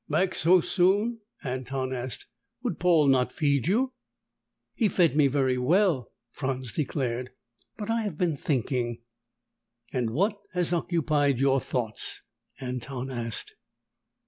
"Back so soon?" Anton asked. "Would Paul not feed you?" "He fed me very well," Franz declared, "but I have been thinking." "And what has occupied your thoughts?" Anton asked.